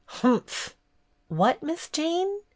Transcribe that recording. "Humph!" "What, Miss Jane?"